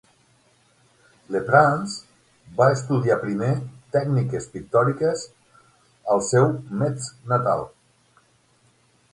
Le Prince va estudiar primer tècniques pictòriques al seu Metz natal.